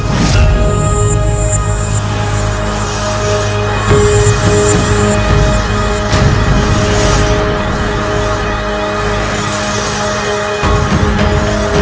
makanlah di belakang body nya